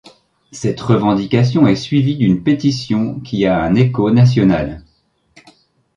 Cette revendication est suivie d'une pétition qui a un écho national.